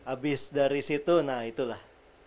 abis dari situ nah itulah